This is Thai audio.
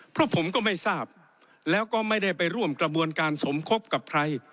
เพราะผมก็ไม่ทราบแล้วก็ไม่ได้ไปร่วมกระบวนการสมคบกับใคร